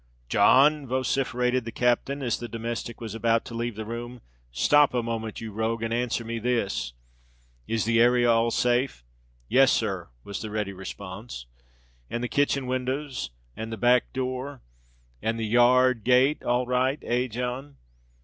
"John!" vociferated the captain, as the domestic was about to leave the room; "stop a moment, you rogue, and answer me this. Is the area all safe?" "Yes, sir," was the ready response. "And the kitchen windows—and the back door—and the yar rd gate—all right, eh—John?"